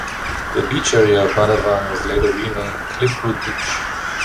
The beach area of Matavan was later renamed Cliffwood Beach.